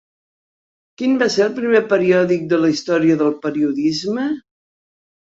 Quin va ser el primer periòdic de la història del periodisme?